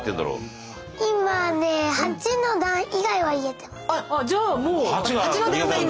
今ね８の段以外は言えてます。